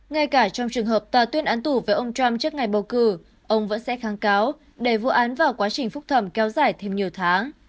ngay cả trong trường hợp tòa tuyên án tù với ông trump trước ngày bầu cử ông vẫn sẽ kháng cáo đẩy vụ án vào quá trình phúc thẩm kéo dài thêm nhiều tháng